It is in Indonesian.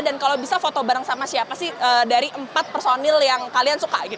dan kalau bisa foto bareng sama siapa sih dari empat personil yang kalian suka gitu